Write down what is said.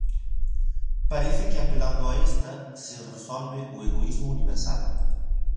Parece que apelando a esta se resolve o egoísmo universal.